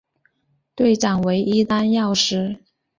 队长为伊丹耀司。